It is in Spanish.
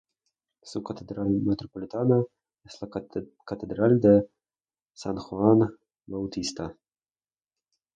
Su catedral metropolitana es la Catedral de San Juan Bautista.